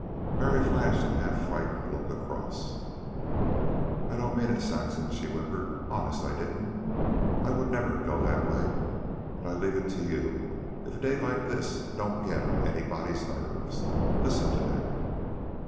Mary flashed a half frightened look across. "I didn't mean it, Saxon," she whimpered. "Honest, I didn't. I wouldn't never go that way. But I leave it to you, if a day like this don't get on anybody's nerves. Listen to that!"